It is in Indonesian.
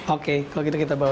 oke kalau gitu kita bawa